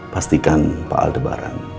pastikan pak aldebaran